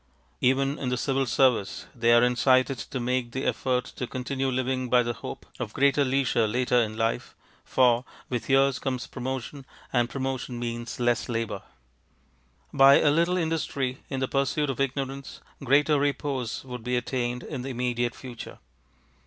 Even in the Civil Service they are incited to make the effort to continue living by the hope of greater leisure later in life, for with years comes promotion and promotion means less labour. By a little industry in the pursuit of ignorance greater repose would be attained in the immediate future.